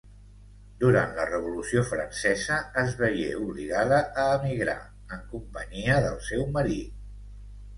Durant la Revolució francesa es veié obligada a emigrar, en companyia del seu marit.